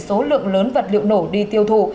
số lượng lớn vật liệu nổ đi tiêu thụ